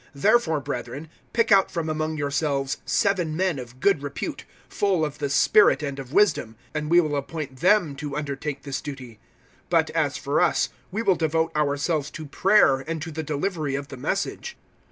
006:003 Therefore, brethren, pick out from among yourselves seven men of good repute, full of the Spirit and of wisdom, and we will appoint them to undertake this duty. 006:004 But, as for us, we will devote ourselves to prayer and to the delivery of the Message."